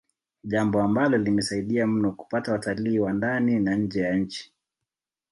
Jambo ambalo limesaidia mno kupata watalii wa ndani na nje ya nchi